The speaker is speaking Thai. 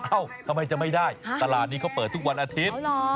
ทำไมจะไม่ได้ตลาดนี้เขาเปิดทุกวันอาทิตย์